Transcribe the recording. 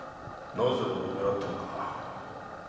なぜ俺を狙ったのか。